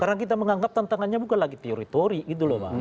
karena kita menganggap tantangannya bukan lagi teori teori gitu loh pak